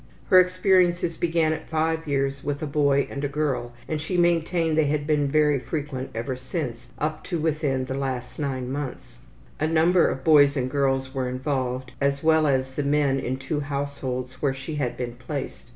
Her experiences began at 5 years with a boy and a girl, and, she maintained, they had been very frequent ever since, up to within the last 9 months. A number of boys and girls were involved, as well as the men in two households where she had been placed.